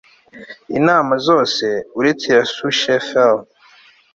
inama zose, uretse iya susheferi